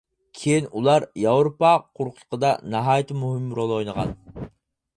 كېيىن ئۇلار ياۋروپا قۇرۇقلۇقىدا ناھايىتى مۇھىم رول ئوينىغان.